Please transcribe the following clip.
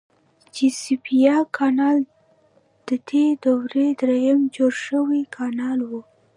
چیساپیک کانال ددې دورې دریم جوړ شوی کانال و.